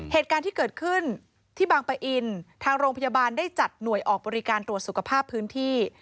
เหตุการณ์ที่เกิดขึ้นที่บางปะอินทางโรงพยาบาลได้จัดหน่วยออกบริการตรวจสุขภาพพื้นที่